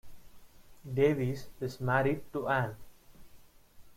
Davies is married to Ann.